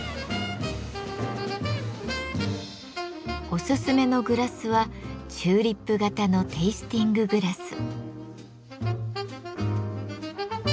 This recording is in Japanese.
おすすめのグラスはチューリップ型のテイスティンググラス。